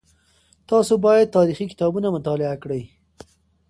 تاسو باید تاریخي کتابونه مطالعه کړئ.